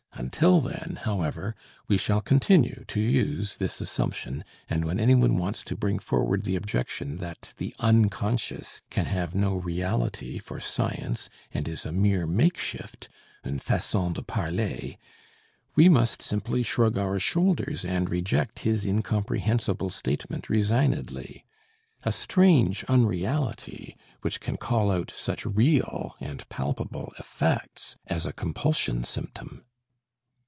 Until then, however, we shall continue to use this assumption, and when anyone wants to bring forward the objection that the unconscious can have no reality for science and is a mere makeshift, (une façon de parler), we must simply shrug our shoulders and reject his incomprehensible statement resignedly. A strange unreality which can call out such real and palpable effects as a compulsion symptom!